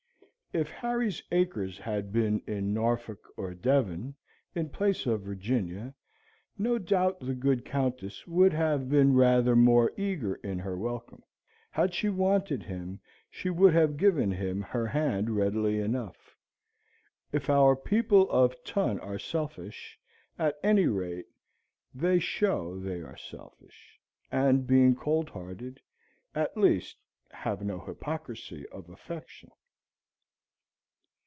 If Harry's acres had been in Norfolk or Devon, in place of Virginia, no doubt the good Countess would have been rather more eager in her welcome. Had she wanted him she would have given him her hand readily enough. If our people of ton are selfish, at any rate they show they are selfish; and, being cold hearted, at least have no hypocrisy of affection.